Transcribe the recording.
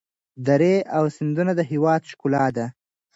درې او سیندونه د هېواد ښکلا ده.